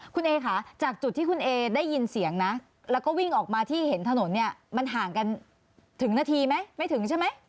คุณเอค่ะจากจุดที่คุณเอได้ยินเสียงนะแล้วก็วิ่งออกมาที่เห็นถนนเนี่ยมันห่างกันถึงนาทีไหมไม่ถึงใช่ไหม